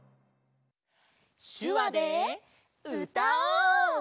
しゅわでうたおう！